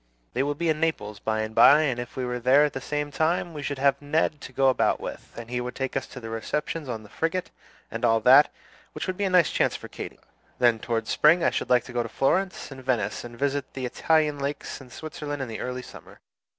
They will be in Naples by and by, and if we were there at the same time we should have Ned to go about with; and he would take us to the receptions on the frigate, and all that, which would be a nice chance for Katy. Then toward spring I should like to go to Florence and Venice, and visit the Italian lakes and Switzerland in the early summer.